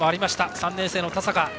３年生の田坂です。